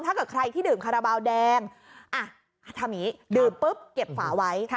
ถ้าเกิดใครที่ดื่มคาราบาลแดงทำอย่างนี้ดื่มปุ๊บเก็บฝาไว้